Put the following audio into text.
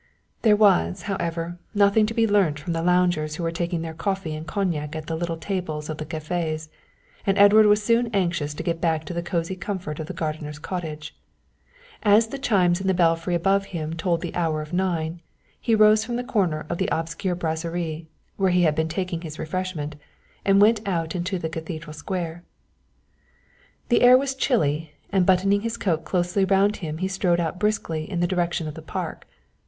There was, however, nothing to be learnt from the loungers who were taking their coffee and cognac at the little tables of the cafés, and Edward was soon anxious to get back to the cosy comfort of the gardener's cottage. As the chimes in the belfry above him told the hour of nine he rose from the corner of the obscure brasserie where he had been taking his refreshment, and went out into the Cathedral Square. The air was chilly, and buttoning his coat closely round him he strode out briskly in the direction of the park.